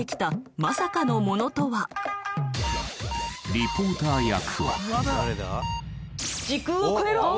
リポーター役は？